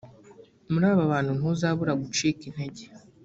muri aba bantu ntuzabura gucika intege